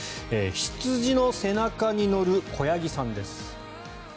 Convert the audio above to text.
羊の背中に乗る子ヤギさんです。